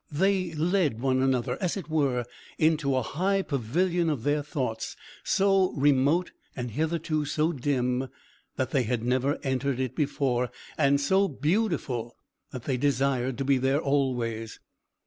They led one another, as it were, into a high pavilion of their thoughts, so remote, and hitherto so dim, that they had never entered it before, and so beautiful that they desired to be there always.